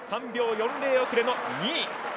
３秒４０遅れの２位。